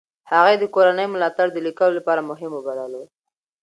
هغې د کورنۍ ملاتړ د لیکلو لپاره مهم وبللو.